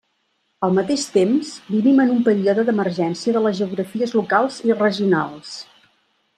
Al mateix temps, vivim en un període d'emergència de les geografies locals i regionals.